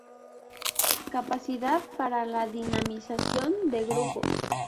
Capacidad para la dinamización de grupos.